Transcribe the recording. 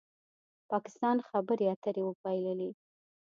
پاکستان خبرې اترې وبایللې